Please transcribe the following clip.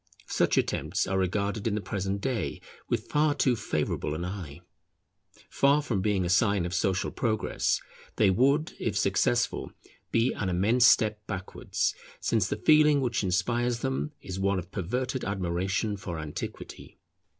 Such attempts are regarded in the present day with far too favourable an eye. Far from being a sign of social progress, they would, if successful, be an immense step backwards; since the feeling which inspires them is one of perverted admiration for antiquity.